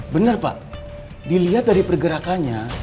benar pak dilihat dari pergerakannya